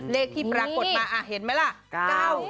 เลขที่ประกดมาอ่าเห็นไหมล่ะ๙๔นะคะ